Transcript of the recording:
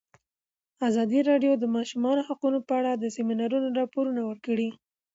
ازادي راډیو د د ماشومانو حقونه په اړه د سیمینارونو راپورونه ورکړي.